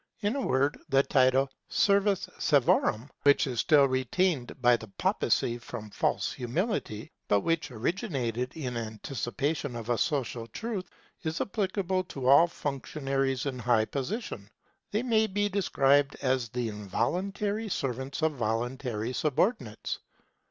In a word the title, servus servorum, which is still retained by the Papacy from false humility, but which originated in anticipation of a social truth, is applicable to all functionaries in high position. They may be described as the involuntary servants of voluntary subordinates.